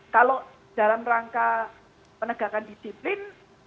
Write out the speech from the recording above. kalau dalam rangka penegakan disiplin